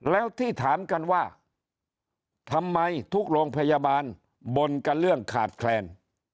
แล้วที่ถามกันว่าทำไมทุกโรงพยาบาลบ่นกันเรื่องขาดแคลน